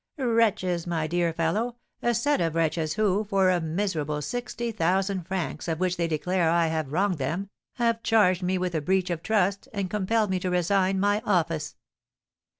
"Wretches, my dear fellow, a set of wretches who, for a miserable sixty thousand francs of which they declare I have wronged them, have charged me with a breach of trust and compelled me to resign my office."